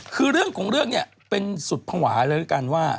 คือเรื่องของเรื่องเนี่ยเป็นสุดภาวะเลยด้วยกันว่า